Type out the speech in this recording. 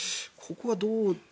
ここはどう。